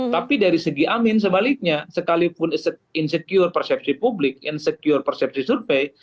tapi dari segi amin sebaliknya sekalipun insecure persepsi publik insecure persepsi survei